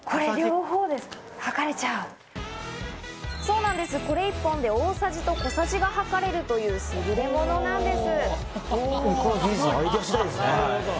そうなんです、これ１本で大さじと小さじが測れるというすぐれものなんです。